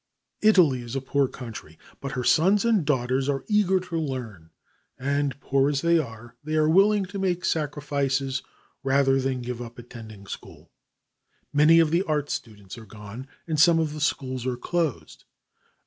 Italy is a poor country, but her sons and daughters are eager to learn, and, poor as they are, they are willing to make sacrifices rather than give up attending school. Many of the art students are gone, and some of the schools are closed.